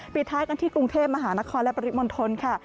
ปิดท้ายกันที่กรุงเทพมหานครและปริมณฑลค่ะ